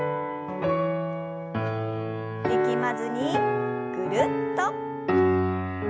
力まずにぐるっと。